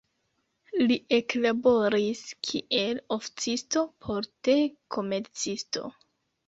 Li eklaboris kiel oficisto por te-komercisto.